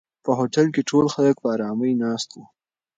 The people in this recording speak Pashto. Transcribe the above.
په هوټل کې ټول خلک په آرامۍ ناست وو.